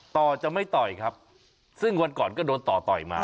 ต่อจะไม่ต่อยครับซึ่งวันก่อนก็โดนต่อต่อยมา